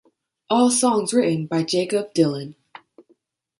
All songs written by Jakob Dylan.